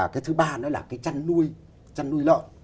cái thứ ba nữa là cái chăn nuôi lợn